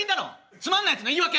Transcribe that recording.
つまんないやつの言い訳。